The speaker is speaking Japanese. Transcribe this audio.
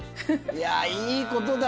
いやいいことだ